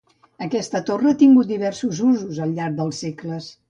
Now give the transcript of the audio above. Aquesta torre ha tingut diversos usos, al llarg dels segles.